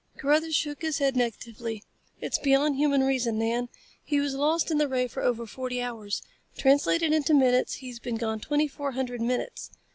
Carruthers shook his head negatively. "It's beyond human reason, Nan. He was lost in the ray for over forty hours. Translated into minutes he's been gone twenty four hundred minutes.